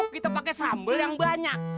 kita pakai sambal yang banyak